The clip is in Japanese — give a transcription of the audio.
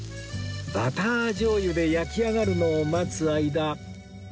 バター醤油で焼き上がるのを待つ間